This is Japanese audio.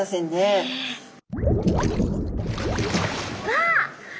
ああ！